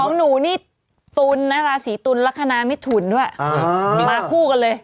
ของหนูนี่ราศรีตุลราศรีตุลลักษณะมิถุนด้วยมาคู่กันเลย